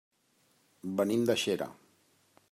Venim de Xera.